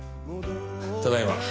ただいま。